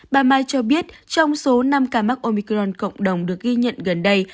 bà mai cho biết trong số năm ca mắc omicron cộng đồng được ghi nhận gần đây